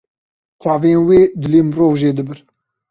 Çavên wê dilê mirov jê dibir.